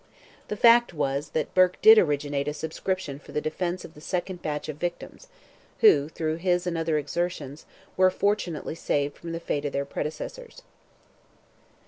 The fact was, that Burke did originate a subscription for the defence of the second batch of victims, who, through his and other exertions, were fortunately saved from the fate of their predecessors.